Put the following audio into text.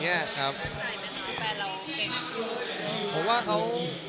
มีอีกประมาณ๑๐ปี